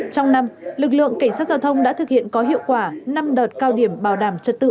trong năm lực lượng cảnh sát giao thông đã thực hiện có hiệu quả năm đợt cao điểm bảo đảm trật tự